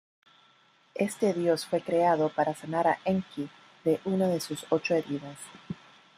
Este dios fue creado para sanar a Enki de una de sus ocho heridas.